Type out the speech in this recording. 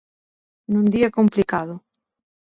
Nun día complicado.